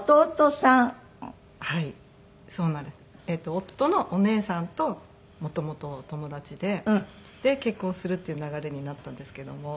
夫のお姉さんと元々友達でで結婚するっていう流れになったんですけども。